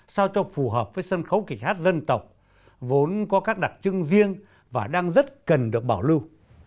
sao cho phù hợp với sân khấu kịch hát dân tộc vốn có các đặc trưng riêng và đang rất cần được bảo lưu